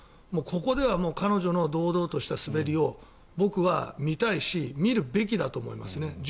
ここでは彼女の堂々とした滑りを僕は見たいし見るべきだと思いますね。